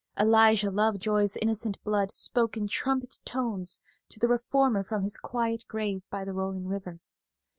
Elijah Lovejoy's innocent blood spoke in trumpet tones to the reformer from his quiet grave by the rolling river.